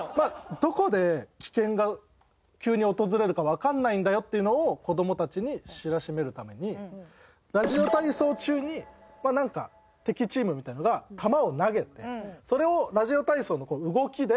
どこで危険が急に訪れるかわかんないんだよっていうのを子どもたちに知らしめるためにラジオ体操中になんか敵チームみたいなのが球を投げてそれをラジオ体操の動きでよける。